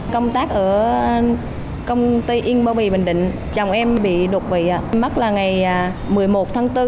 công tác ở công ty yên bảo bì bình định chồng em bị đột vị mất là ngày một mươi một tháng bốn